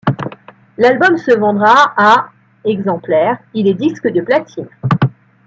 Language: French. L'album se vendra à exemplaires, il est disque de platine.